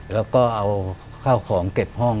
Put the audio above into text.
แล้วก็เอาข้าวของเก็บห้อง